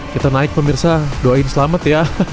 kita naik pemirsa doain selamat ya